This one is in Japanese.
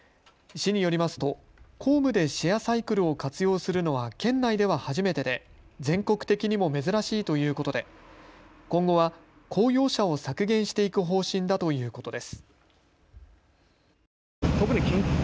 市によりますと公務でシェアサイクルを活用するのは県内では初めてで全国的にも珍しいということで今後は公用車を削減していく方針だということです。